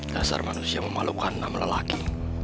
dasar manusia memalukan enam lelaki